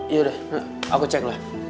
yaudah aku cek lah